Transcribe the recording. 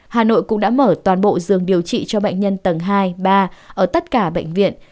hà nội cũng đã mở toàn bộ giường điều trị cho bệnh nhân tầng hai ba ở tất cả bệnh viện